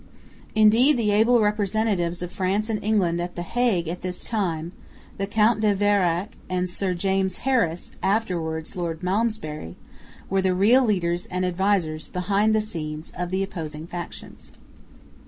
Indeed the able representatives of France and England at the Hague at this time, the Count de Vérac and Sir James Harris (afterwards Lord Malmesbury), were the real leaders and advisers, behind the scenes, of the opposing factions.